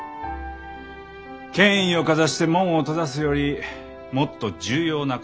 権威をかざして門を閉ざすよりもっと重要なことがある。